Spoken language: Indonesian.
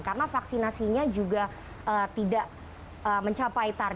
karena vaksinasinya juga tidak mencapai